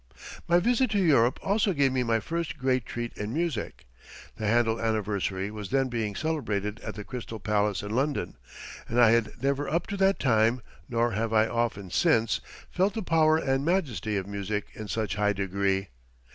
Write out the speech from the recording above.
My visit to Europe also gave me my first great treat in music. The Handel Anniversary was then being celebrated at the Crystal Palace in London, and I had never up to that time, nor have I often since, felt the power and majesty of music in such high degree.